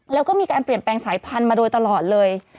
แล้วก็มีการเปลี่ยนแปลงสายพันธุ์มาโดยตลอดเลย